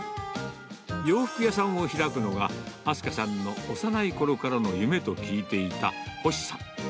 洋服屋さんを開くのが、明日香さんの幼いころからの夢と聞いていた星さん。